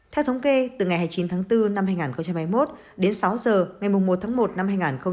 theo thống kê từ ngày hai mươi chín tháng bốn năm hai nghìn hai mươi một đến sáu giờ ngày một tháng một năm hai nghìn hai mươi bốn